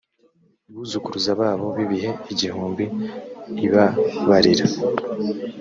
buzukuruza babo b ibihe igihumbi ibababarira